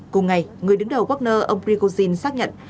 cùng ngày người đứng đầu wagner ông prigozhin xác nhận